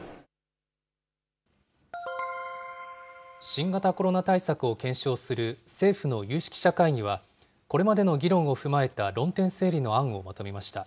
新型コロナ対策を検証する政府の有識者会議は、これまでの議論を踏まえた論点整理の案をまとめました。